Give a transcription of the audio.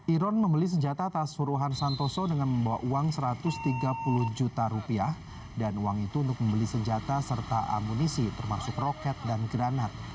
iron membeli senjata atas suruhan santoso dengan membawa uang satu ratus tiga puluh juta rupiah dan uang itu untuk membeli senjata serta amunisi termasuk roket dan granat